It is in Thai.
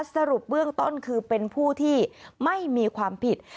สรุปเบื้องต้นคือเป็นผู้ที่ไม่มีความผิด